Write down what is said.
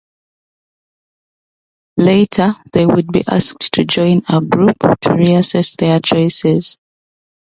Later, they would be asked to join a group to reassess their choices.